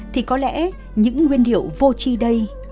thì có lẽ những nguyên liệu vô chi đây